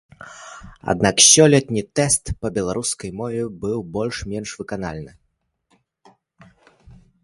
Аднак сёлетні тэст па беларускай мове быў больш-менш выканальны.